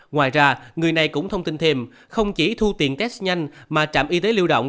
ngoài ra người này cũng thông tin thêm không chỉ thu tiền test nhanh mà trạm y tế lưu động